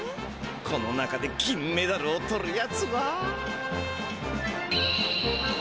この中で金メダルを取るやつは？